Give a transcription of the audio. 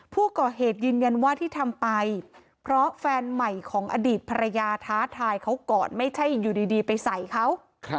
ผู้ก่อเหตุยืนยันว่าที่ทำไปเพราะแฟนใหม่ของอดีตภรรยาท้าทายเขาก่อนไม่ใช่อยู่ดีไปใส่เขา